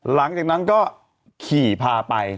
หลังจากนั้นก็ขี่พาไป